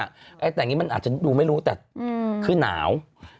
แต่อย่างนี้มันอาจจะดูไม่รู้แต่คือหนาว